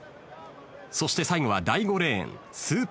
そして最後は第５レーン。